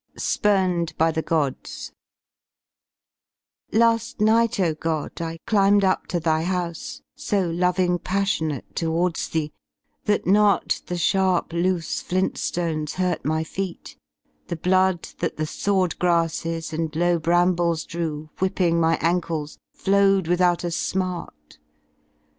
SPURNED BY THE GODS Last night, God, I climbed up to thy house So loving passionate towards thee, that not The sharp loose flintSlones hurt my feet, the blood That the sword grasses and low brambles dreiv Whipping my ankles, flowed without a smart.